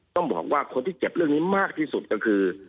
ต้องบอกว่าคนที่เจ็บเรื่องนี้มากที่สุดก็คือ